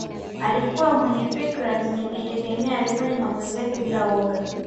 Alikuwa mwenye fikra zenye kujitegemea alifanya maamuzi yake bila woga